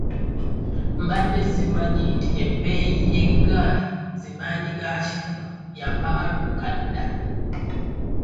Mbadde simanyi nti ebbeeyi y'eggaali zi maanyigakifuba yapaaluuka dda.